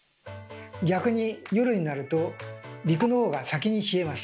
逆に夜になると陸のほうが先に冷えます。